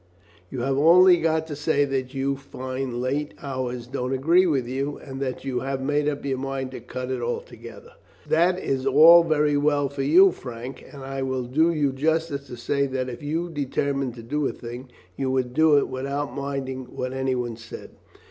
"You have only got to say that you find late hours don't agree with you, and that you have made up your mind to cut it altogether." "That is all very well for you, Frank, and I will do you justice to say that if you determined to do a thing, you would do it without minding what any one said."